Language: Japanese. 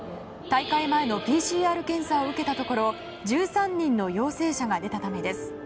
大会前のＰＣＲ検査を受けたところ１３人の陽性者が出たためです。